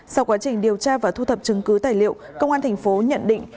sau quá trình điều tra và thu thập chứng cứ tài liệu công an thành phố nhận định